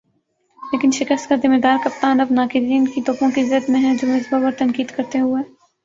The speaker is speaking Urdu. لیکن شکست کا "ذمہ دار" کپتان اب ناقدین کی توپوں کی زد میں ہے جو مصباح پر تنقید کرتے ہوئے